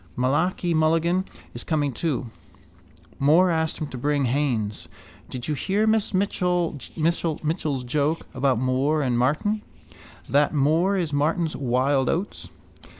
Malachi Mulligan is coming too. Moore asked him to bring Haines. Did you hear Miss Mitchell's joke about Moore and Martyn? That Moore is Martyn's wild oats?